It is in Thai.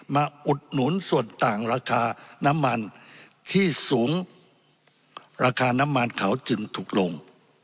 อุดหนุนส่วนต่างราคาน้ำมันที่สูงราคาน้ำมันเขาจึงถูกลง